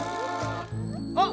あっ！